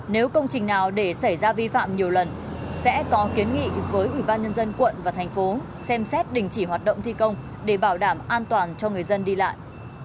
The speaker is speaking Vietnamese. nếu công trình nào để xảy ra vi phạm nhiều lần sẽ có kiến nghị với ủy ban nhân dân quận và thành phố xem xét đình chỉ hoạt động thi công để bảo đảm an toàn cho người dân đi lại